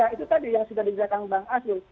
itu tadi yang sudah di belakang bank asyuk